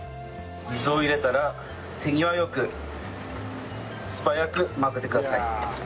水を入れたら手際良く素早く混ぜてください。